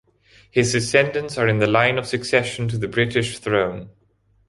His descendants are in the line of succession to the British throne.